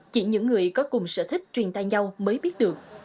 chỉ những người có cùng sở thích truyền tay nhau mới biết được